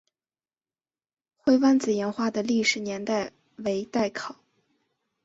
灰湾子岩画的历史年代为待考。